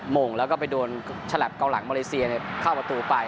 โมงแล้วก็ไปโดนฉลับเกาหลังมาเลเซียเข้าประตูไป